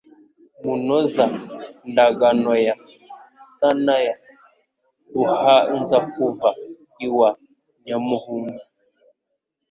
Munoza-ndaganoya Nsanaya Buhanzakuva iwa Nyamuhunza